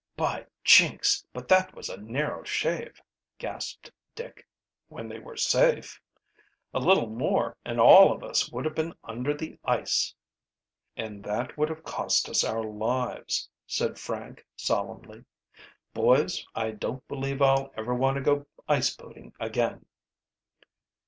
"By jinks! but that was a narrow shave!" gasped Dick, when they were safe. "A little more and all of us would have been under the ice." "And that would have cost us our lives!" said Frank solemnly. "Boys, I don't believe I'll ever want to go ice boating again."